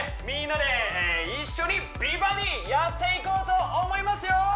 みんなで一緒に美バディやっていこうと思いますよ！